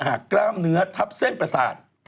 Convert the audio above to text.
หากกล้ามเนื้อทับเส้นปรศาสตร์